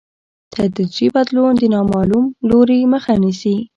تدریجي بدلون د نامعلوم لوري مخه نیسي.